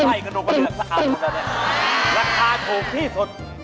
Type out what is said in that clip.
ราคาถูกพี่สุด